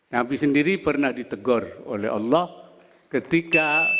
nabi sendiri pernah ditegur oleh allah ketika